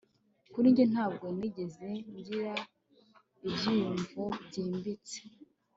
kuri njye ntabwo nigeze ngira ibyiyumvo byimbitse